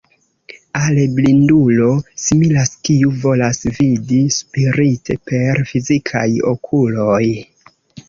Al blindulo similas kiu volas vidi spirite per fizikaj okuloj.